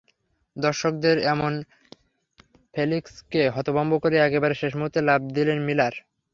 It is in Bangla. দর্শকদের, এবং ফেলিক্সকে, হতভম্ব করে একেবারে শেষ মুহূর্তে লাফ দিলেন মিলার।